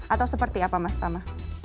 atau seperti apa mas tama